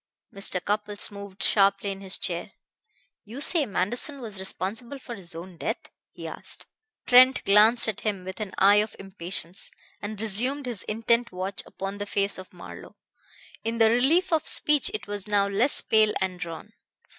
Mr. Cupples moved sharply in his chair. "You say Manderson was responsible for his own death?" he asked. Trent glanced at him with an eye of impatience, and resumed his intent watch upon the face of Marlowe. In the relief of speech it was now less pale and drawn.